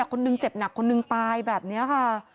คนหนึ่งเจ็บหนักคนหนึ่งตายแบบนี้ค่ะ